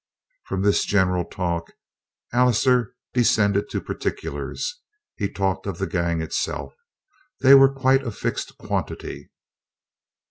From this general talk Allister descended to particulars. He talked of the gang itself. They were quite a fixed quantity.